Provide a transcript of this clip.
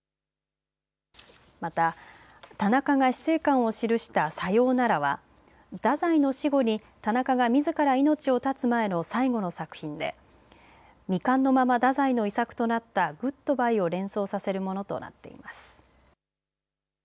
また田中が死生観を記したさようならは太宰の死後に田中がみずから命を絶つ前の最後の作品で未完のまま太宰の遺作となったグッド・バイを連想させるものとなっています。